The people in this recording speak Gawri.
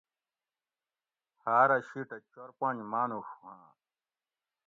ہاۤرہ شِیٹہ چور پنج مانوڛ ہواں